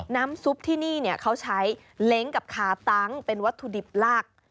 น้ำซุปที่นี่เขาใช้เล้งกับคาตั้งเป็นวัตถุดิบหลัก